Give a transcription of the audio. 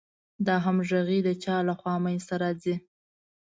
دا همغږي د چا له خوا منځ ته راځي؟